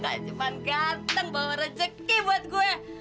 gak cuma ganteng bawa rezeki buat gue